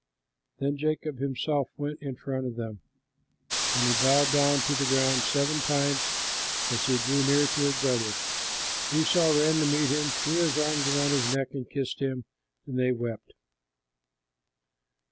Then Jacob himself went in front of them, and he bowed down to the ground seven times, as he drew near to his brother. Esau ran to meet him, threw his arms about his neck, and kissed him, and they wept.